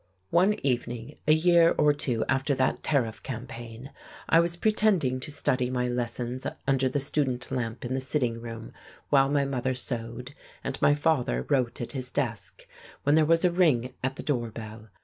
One evening, a year or two after that tariff campaign, I was pretending to study my lessons under the student lamp in the sitting room while my mother sewed and my father wrote at his desk, when there was a ring at the door bell.